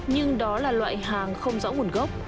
nhưng đó là loại hàng không rõ nguồn gốc